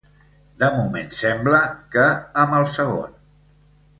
De moment sembla que amb el segon.